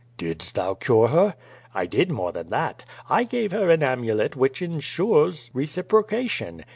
*' "Didst thou cure her?" "I did more than that. I gave her an amulet which in sures reciprocation.